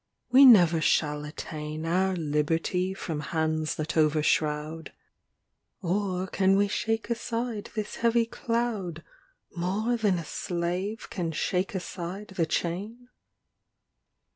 We never shall attain Our liberty from hands that overshroud ; Or can we shake aside this heavy cloud More than a slave can shake aside the chain